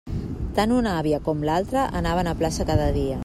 Tant una àvia com l'altra anaven a plaça cada dia.